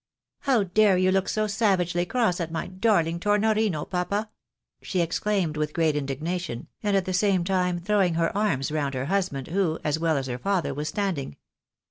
" How dare you look so savagely cross at my darHng Tornorino, papa ?" she exclaimed, with great indignation, and at the same time throwing her arms round her husband, who, as well as her father, was standing.